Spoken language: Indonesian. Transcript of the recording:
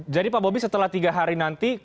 jadi pak bobby setelah tiga hari nanti